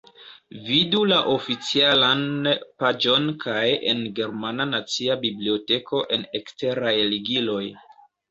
Vidu la oficialan paĝon kaj en Germana Nacia Biblioteko en eksteraj ligiloj.